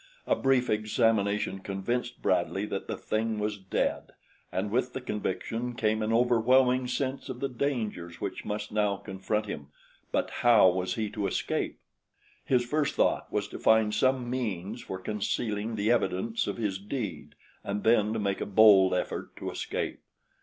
A brief examination convinced Bradley that the thing was dead, and with the conviction came an overwhelming sense of the dangers which must now confront him; but how was he to escape? His first thought was to find some means for concealing the evidence of his deed and then to make a bold effort to escape.